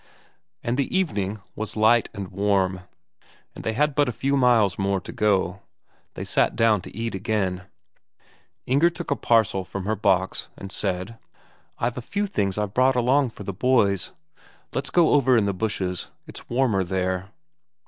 And the evening was light and warm, and they had but a few miles more to go; they sat down to eat again. Inger took a parcel from her box, and said: "I've a few things I brought along for the boys. Let's go over there in the bushes, it's warmer there."